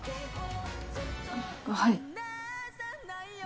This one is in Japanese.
はい。